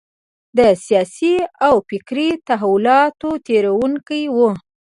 د سیاسي او فکري تحولاتو تېرېدونکی و.